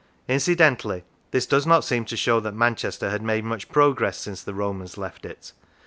Incidentally, this does not seem to show that Manchester had made much progress since the Romans left it.